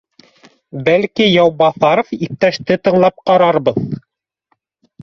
— Бәлки, Яубаҫаров иптәште тыңлап ҡарарбыҙ